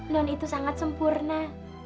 non itu sangat sempurna